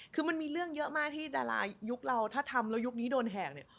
คือมันมีเรื่องเยอะมากที่ดารายุคเราถ้าทำแล้วยุคนี้โดนแหกเนี่ย